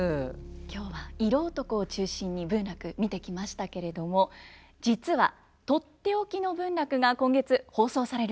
今日は色男を中心に文楽見てきましたけれども実はとっておきの文楽が今月放送されるんです。